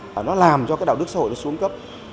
và nó làm cho cái đạo đức xã hội nó xuống cấp